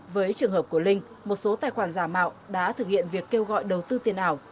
với trường hợp của linh một số tài khoản giả mạo đã thực hiện việc kêu gọi đầu tư tiền ảo